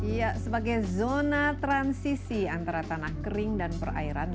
ya sebagai zona transisi antara tanah kering dan perairan